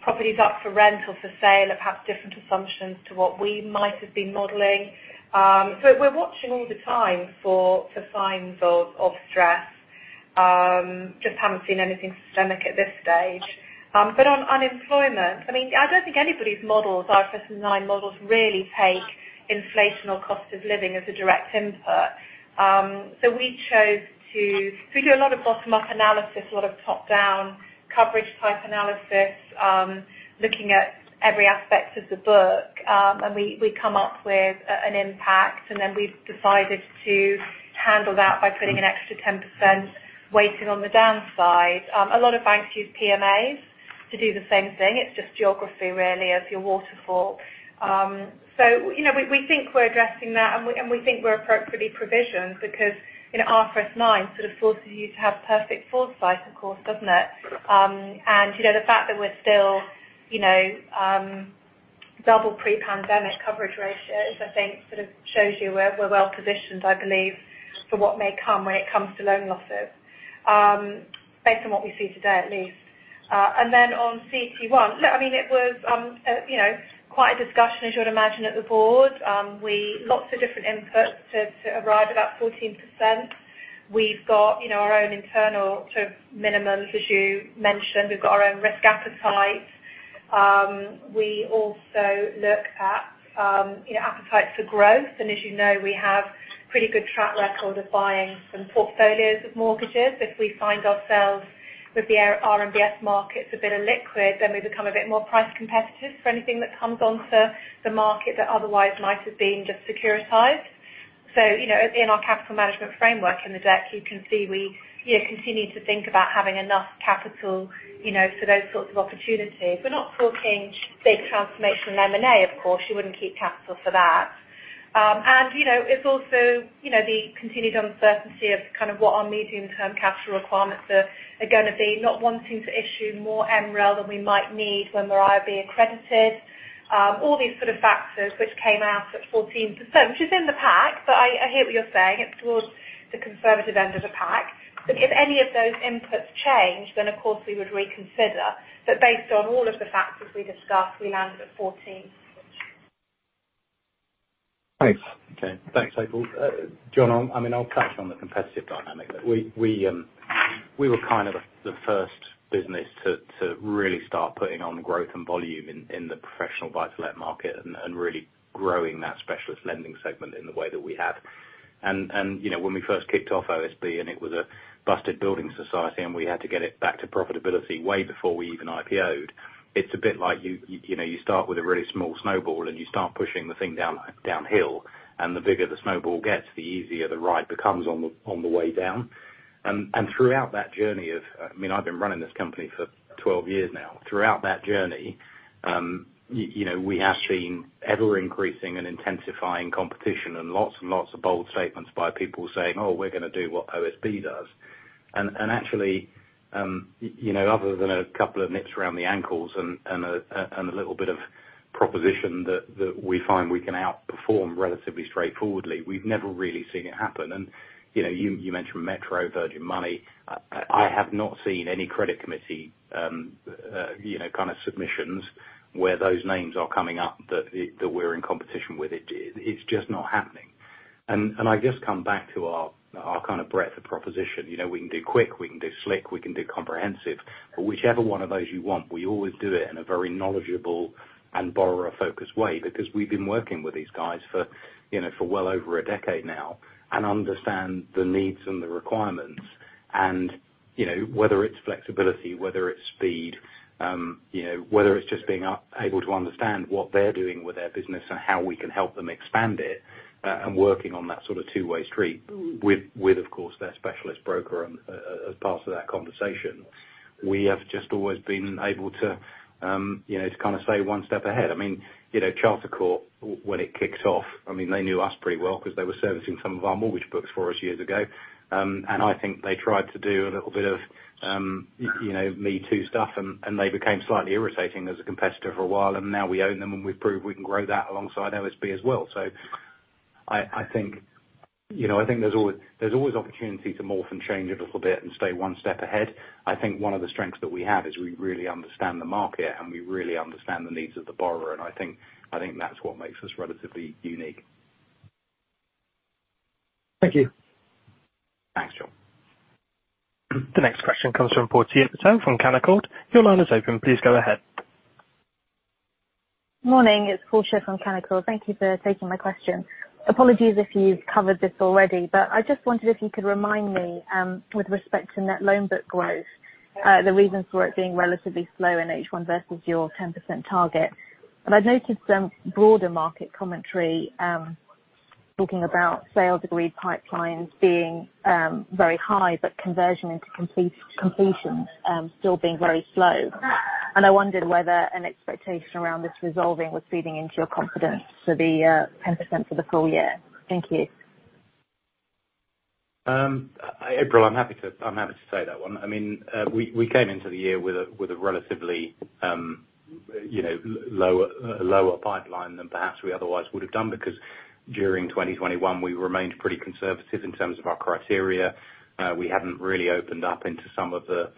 properties up for rent or for sale at perhaps different assumptions to what we might have been modeling. We're watching all the time for signs of stress. Just haven't seen anything systemic at this stage. On unemployment, I mean, I don't think anybody's models, IFRS 9 models really take inflation or cost of living as a direct input. We do a lot of bottom-up analysis, a lot of top-down coverage type analysis, looking at every aspect of the book. We come up with an impact, and then we've decided to handle that by putting an extra 10% weighting on the downside. A lot of banks use PMAs to do the same thing. It's just geography, really, of your waterfall. You know, we think we're addressing that, and we think we're appropriately provisioned because, you know, IFRS 9 sort of forces you to have perfect foresight, of course, doesn't it? You know, the fact that we're still, you know, double pre-pandemic coverage ratios, I think sort of shows you where we're well-positioned, I believe, for what may come when it comes to loan losses, based on what we see today, at least. Then on CET1. Look, I mean, it was, you know, quite a discussion, as you would imagine, at the board. Lots of different inputs to arrive at that 14%. We've got, you know, our own internal sort of minimums, as you mentioned. We've got our own risk appetite. We also look at, you know, appetite for growth. As you know, we have pretty good track record of buying some portfolios of mortgages. If we find ourselves with the RMBS markets a bit illiquid, then we become a bit more price competitive for anything that comes onto the market that otherwise might have been just securitized. You know, in our capital management framework in the deck, you can see we, you know, continue to think about having enough capital, you know, for those sorts of opportunities. We're not talking big transformation M&A, of course. You wouldn't keep capital for that. You know, it's also, you know, the continued uncertainty of kind of what our medium-term capital requirements are gonna be. Not wanting to issue more MREL than we might need when we're IRB accredited. All these sort of factors which came out at 14%, which is in the pack, but I hear what you're saying. It's towards the conservative end of the pack. If any of those inputs change, then of course we would reconsider. Based on all of the factors we discussed, we landed at 14%. Thanks. Okay. Thanks, April. John, I mean, I'll touch on the competitive dynamic. We were kind of the first business to really start putting on growth and volume in the professional buy-to-let market and really growing that specialist lending segment in the way that we have. You know, when we first kicked off OSB and it was a busted building society and we had to get it back to profitability way before we even IPO'd, it's a bit like you know, you start with a really small snowball and you start pushing the thing down, downhill, and the bigger the snowball gets, the easier the ride becomes on the way down. Throughout that journey, I mean, I've been running this company for 12 years now. Throughout that journey, you know, we have seen ever increasing and intensifying competition and lots and lots of bold statements by people saying, "Oh, we're gonna do what OSB does." Actually, you know, other than a couple of nips around the ankles and a little bit of proposition that we find we can outperform relatively straightforwardly, we've never really seen it happen. You know, you mentioned Metro, Virgin Money. I have not seen any credit committee, you know, kind of submissions where those names are coming up, that we're in competition with it. It's just not happening. I just come back to our kind of breadth of proposition. You know, we can do quick, we can do slick, we can do comprehensive. Whichever one of those you want, we always do it in a very knowledgeable and borrower-focused way because we've been working with these guys for, you know, for well over a decade now and understand the needs and the requirements. You know, whether it's flexibility, whether it's speed, you know, whether it's just being able to understand what they're doing with their business and how we can help them expand it, and working on that sort of two-way street with of course, their specialist broker, as part of that conversation. We have just always been able to, you know, to kind of stay one step ahead. I mean, you know, Charter Court, when it kicked off, I mean, they knew us pretty well 'cause they were servicing some of our mortgage books for us years ago. I think they tried to do a little bit of, you know, MeToo stuff and they became slightly irritating as a competitor for a while, and now we own them and we've proved we can grow that alongside OSB as well. I think, you know, I think there's always opportunity to morph and change a little bit and stay one step ahead. I think one of the strengths that we have is we really understand the market and we really understand the needs of the borrower, and I think that's what makes us relatively unique. Thank you. Thanks, John. The next question comes from Portia Patel from Canaccord. Your line is open. Please go ahead. Morning, it's Portia from Canaccord. Thank you for taking my question. Apologies if you've covered this already, but I just wondered if you could remind me with respect to net loan book growth the reasons for it being relatively slow in H1 versus your 10% target. I've noticed some broader market commentary talking about sales agreed pipelines being very high, but conversion into completions still being very slow. I wondered whether an expectation around this resolving was feeding into your confidence for the 10% for the full year. Thank you. April, I'm happy to take that one. I mean, we came into the year with a relatively, you know, lower pipeline than perhaps we otherwise would have done because during 2021 we remained pretty conservative in terms of our criteria. We hadn't really opened up into some of the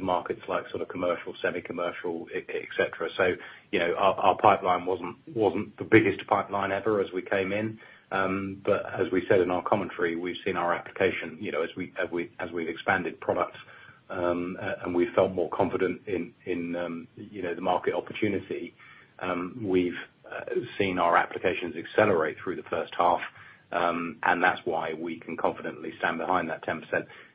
markets like sort of commercial, semi-commercial, et cetera. You know, our pipeline wasn't the biggest pipeline ever as we came in. As we said in our commentary, we've seen our application, you know, as we've expanded products, and we felt more confident in the market opportunity, you know, we've seen our applications accelerate through the first half, and that's why we can confidently stand behind that 10%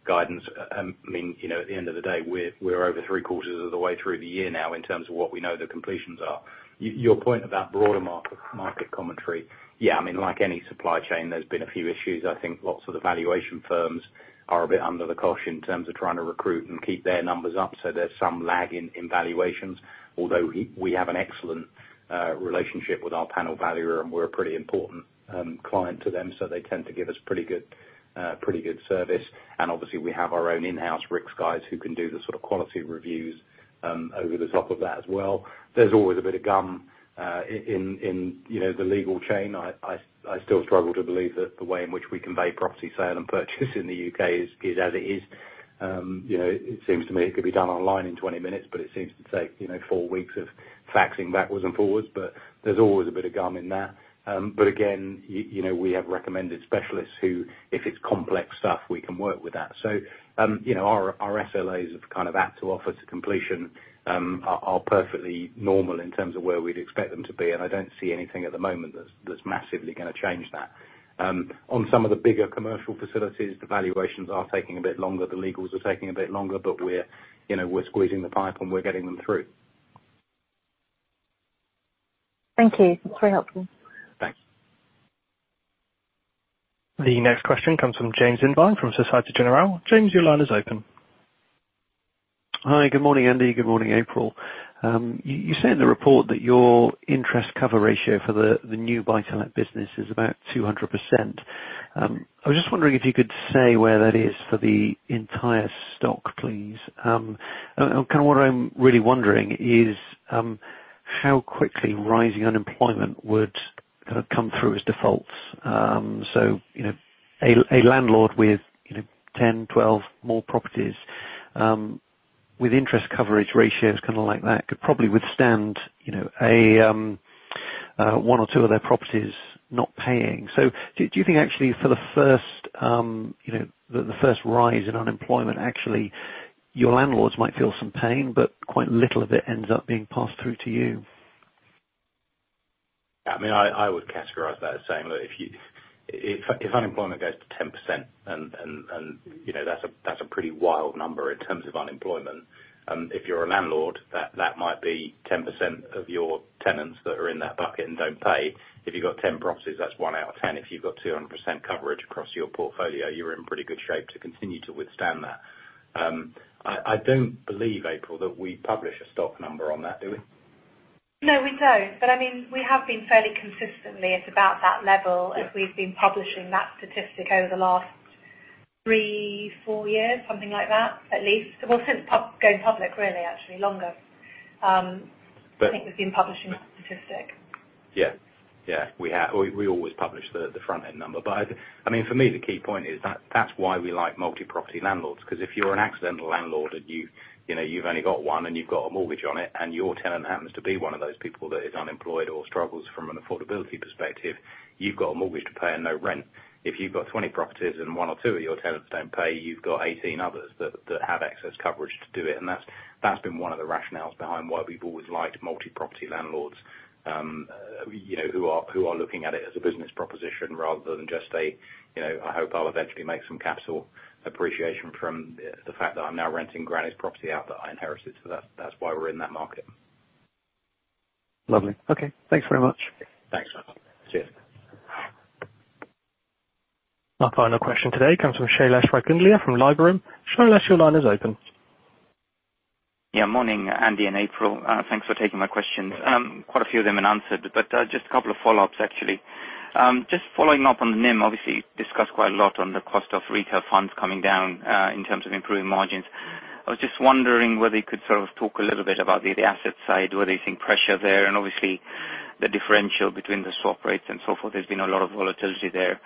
guidance. I mean, you know, at the end of the day, we're over three-quarters of the way through the year now in terms of what we know the completions are. Your point about broader market commentary. Yeah, I mean, like any supply chain, there's been a few issues. I think lots of the valuation firms are a bit under the cosh in terms of trying to recruit and keep their numbers up, so there's some lag in valuations. Although we have an excellent relationship with our panel valuer, and we're a pretty important client to them, so they tend to give us pretty good service. Obviously, we have our own in-house risks guys who can do the sort of quality reviews over the top of that as well. There's always a bit of gumph in you know the legal chain. I still struggle to believe that the way in which we convey property sale and purchase in the U.K. is as it is. You know, it seems to me it could be done online in 20 minutes, but it seems to take you know four weeks of faxing backwards and forwards, but there's always a bit of gumph in that. Again, you know, we have recommended specialists who, if it's complex stuff, we can work with that. You know, our SLAs of kind of application to offer to completion are perfectly normal in terms of where we'd expect them to be, and I don't see anything at the moment that's massively gonna change that. On some of the bigger commercial facilities, the valuations are taking a bit longer, the legals are taking a bit longer, but we're, you know, we're squeezing the pipe and we're getting them through. Thank you. That's very helpful. Thanks. The next question comes from James Invine from Société Générale. James, your line is open. Hi. Good morning, Andy. Good morning, April. You say in the report that your interest cover ratio for the new buy-to-let business is about 200%. I was just wondering if you could say where that is for the entire stock, please. And kind of what I'm really wondering is how quickly rising unemployment would kind of come through as defaults. You know, a landlord with 10, 12 more properties with interest coverage ratios kind of like that could probably withstand you know a one or two of their properties not paying. Do you think actually for the first you know the first rise in unemployment, actually, your landlords might feel some pain, but quite little of it ends up being passed through to you? I mean, I would categorize that as saying that if unemployment goes to 10%, and you know, that's a pretty wild number in terms of unemployment. If you're a landlord, that might be 10% of your tenants that are in that bucket and don't pay. If you've got 10 properties, that's one out of 10. If you've got 200% coverage across your portfolio, you're in pretty good shape to continue to withstand that. I don't believe, April, that we publish a stock number on that, do we? No, we don't. I mean, we have been fairly consistently at about that level. Yeah. As we've been publishing that statistic over the last three, four years, something like that, at least. Well, since going public, really, actually. Longer. But- I think we've been publishing that statistic. Yeah. Yeah. We always publish the front-end number. I mean, for me, the key point is that that's why we like multi-property landlords. 'Cause if you're an accidental landlord and you know, you've only got one and you've got a mortgage on it, and your tenant happens to be one of those people that is unemployed or struggles from an affordability perspective, you've got a mortgage to pay and no rent. If you've got 20 properties and one or two of your tenants don't pay, you've got 18 others that have excess coverage to do it. That's been one of the rationales behind why we've always liked multi-property landlords, you know, who are looking at it as a business proposition rather than just a, you know, "I hope I'll eventually make some capital appreciation from the fact that I'm now renting granny's property out that I inherited," so that's why we're in that market. Lovely. Okay. Thanks very much. Thanks. Cheers. Our final question today comes from Shailesh Raikundalia from Liberum. Shailesh, your line is open. Yeah. Morning, Andy and April. Thanks for taking my questions. Quite a few of them been answered, but just a couple of follow-ups, actually. Just following up on the NIM, obviously you've discussed quite a lot on the cost of retail funds coming down in terms of improving margins. I was just wondering whether you could sort of talk a little bit about the asset side, whether you're seeing pressure there, and obviously the differential between the swap rates and so forth. There's been a lot of volatility there.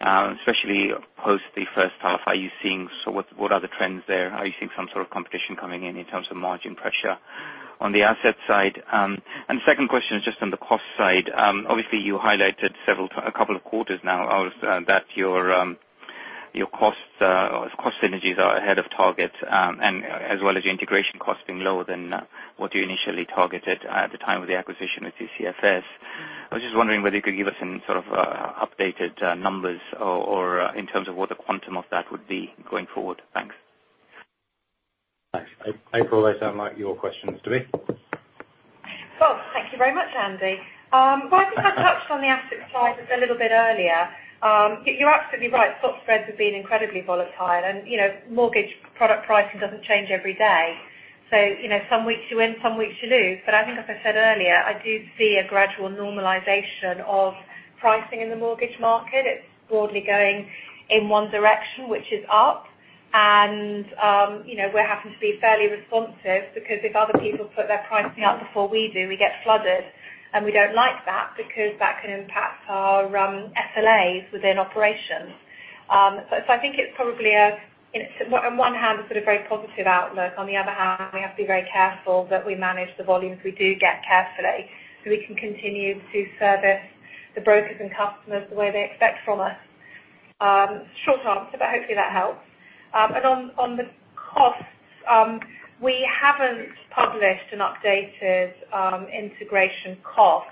Especially post the first half, so what are the trends there? Are you seeing some sort of competition coming in terms of margin pressure on the asset side? And the second question is just on the cost side. Obviously you highlighted a couple of quarters now of that your costs or cost synergies are ahead of target, and as well as your integration cost being lower than what you initially targeted at the time of the acquisition with CCFS. I was just wondering whether you could give us any sort of updated numbers or in terms of what the quantum of that would be going forward. Thanks. Thanks. April, those sound like your questions to me. Well, thank you very much, Andy. Well, I think I touched on the asset side just a little bit earlier. You're absolutely right. Stock spreads have been incredibly volatile and, you know, mortgage product pricing doesn't change every day. You know, some weeks you win, some weeks you lose. I think, as I said earlier, I do see a gradual normalization of pricing in the mortgage market. It's broadly going in one direction, which is up. You know, we're having to be fairly responsive because if other people put their pricing up before we do, we get flooded, and we don't like that because that can impact our SLAs within operations. I think it's probably a, in, on one hand, a sort of very positive outlook. On the other hand, we have to be very careful that we manage the volumes we do get carefully, so we can continue to service the brokers and customers the way they expect from us. Short answer, but hopefully that helps. On the costs, we haven't published an updated integration cost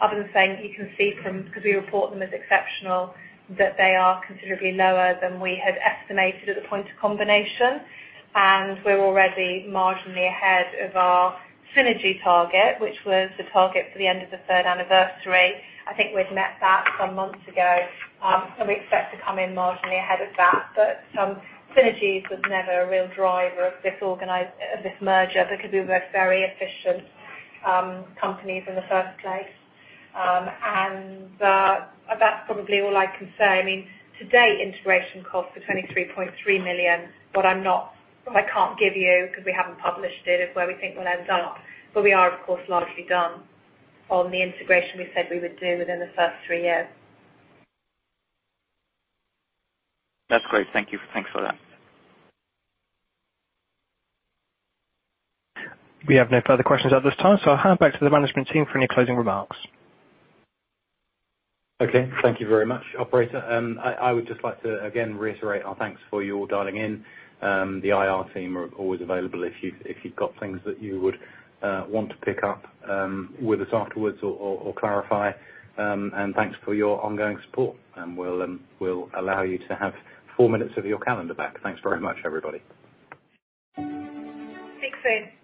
other than saying you can see from, 'cause we report them as exceptional, that they are considerably lower than we had estimated at the point of combination. We're already marginally ahead of our synergy target, which was the target for the end of the third anniversary. I think we'd met that some months ago, and we expect to come in marginally ahead of that. Synergies was never a real driver of this merger because we were both very efficient companies in the first place. That's probably all I can say. I mean, to date, integration costs are 23.3 million, but I'm not. What I can't give you, 'cause we haven't published it, is where we think we'll end up. We are, of course, largely done on the integration we said we would do within the first three years. That's great. Thank you. Thanks for that. We have no further questions at this time, so I'll hand back to the management team for any closing remarks. Okay. Thank you very much, operator. I would just like to, again, reiterate our thanks for your dialing in. The IR team are always available if you've got things that you would want to pick up with us afterwards or clarify. Thanks for your ongoing support, and we'll allow you to have four minutes of your calendar back. Thanks very much, everybody. Thanks-